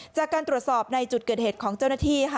จากการตรวจสอบในจุดเกิดเหตุของเจ้าหน้าที่